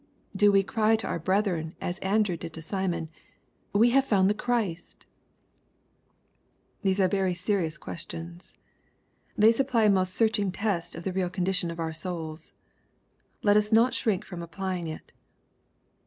Do we cry to our brethren as Andrew did to Simeon, " We have found the Christ ?"— These are very serious questions. They supply a most searching test of the real condition of our souls. Let us not shrink from applying it.